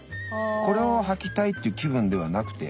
これをはきたいっていう気分ではなくて。